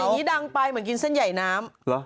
อย่างนี้ดังไปเหมือนกินเส้นใหญ่น้ำเหรอ